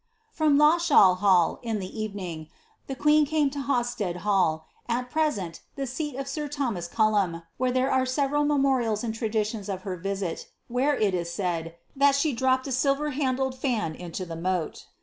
'' From Lawshall hall, in the evening, the queen came to Hawsted hall, at present the seat of sir Thomas Cuilum, where there are several me morials and traditions of her visit, where it is said, that she dropped a sflver handled fan into the moat.'